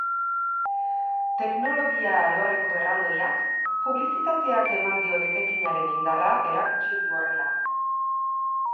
Teknologia alorreko erraldoiak publizitateak eman dion etekinaren indarra erakutsi du horrela.